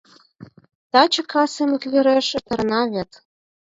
— Таче касым иквереш эртарена вет?